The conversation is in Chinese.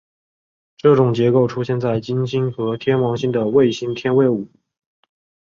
这种结构出现在金星和天王星的卫星天卫五。